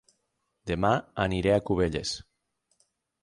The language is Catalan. Dema aniré a Cubelles